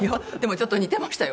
ちょっと似てましたよ